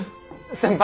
先輩！